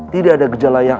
dia bisa mengalahkanmu